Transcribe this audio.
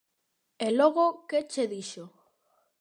E logo que che dixo?